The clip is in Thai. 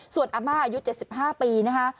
ส่วนอาม่าอายุ๗๕ปีนะคะ